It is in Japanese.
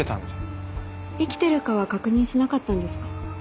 生きてるかは確認しなかったんですか？